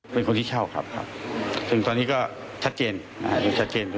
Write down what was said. เป็นคนที่เช่าครับซึ่งตอนนี้ก็ชัดเจน